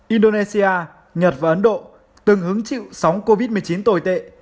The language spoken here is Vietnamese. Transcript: indonesia nhật và ấn độ từng hứng chịu sóng covid một mươi chín tồi tệ